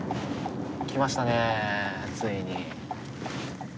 来ましたねついに。